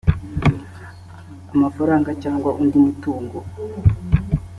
amafaranga cyangwa undi mutungo